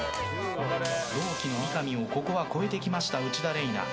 同期の三上を超えてきました内田嶺衣奈。